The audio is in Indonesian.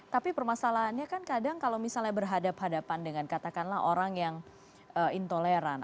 tapi permasalahannya kan kadang kalau misalnya berhadapan hadapan dengan katakanlah orang yang intoleran